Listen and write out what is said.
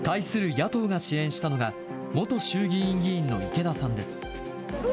野党が支援したのが、元衆議院議員の池田さんです。